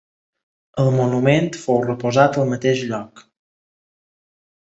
El monument fou reposat al mateix lloc.